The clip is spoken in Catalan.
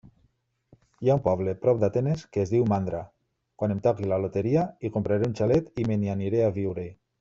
Hi ha un poble prop d'Atenes que es diu Mandra. Quan em toqui la loteria hi compraré un xalet i me n'hi aniré a viure.